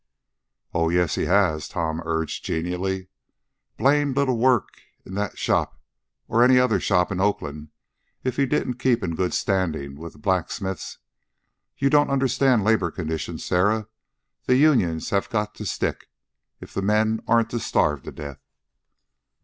"Oh, yes, he has," Tom urged genially. "Blamed little he'd work in that shop, or any other shop in Oakland, if he didn't keep in good standing with the Blacksmiths. You don't understand labor conditions, Sarah. The unions have got to stick, if the men aren't to starve to death."